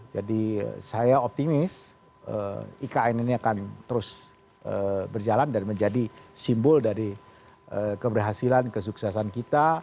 jadi saya optimis ikn ini akan terus berjalan dan menjadi simbol dari keberhasilan kesuksesan kita